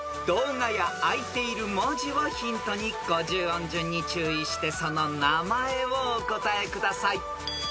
［動画や開いている文字をヒントに５０音順に注意してその名前をお答えください］